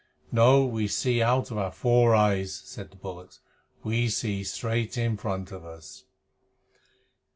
"No. We see out of our four eyes," said the bullocks. "We see straight in front of us."